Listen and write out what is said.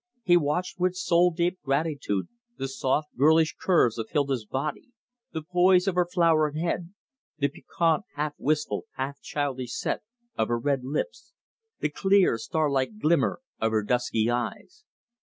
He watched with soul deep gratitude the soft girlish curves of Hilda's body, the poise of her flower head, the piquant, half wistful, half childish set of her red lips, the clear starlike glimmer of her dusky eyes.